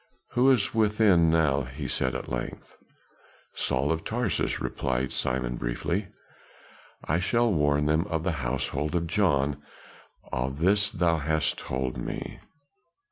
"Who is within now?" he said, at length. "Saul of Tarsus," replied Simon, briefly. "I shall warn them of the household of John of this thou hast told me?"